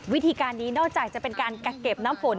วิธีการนี้นอกจากจะเป็นการกักเก็บน้ำฝน